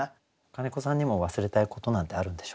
金子さんにも忘れたいことなんてあるんでしょうか？